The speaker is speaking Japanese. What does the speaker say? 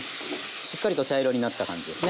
しっかりと茶色になった感じですね。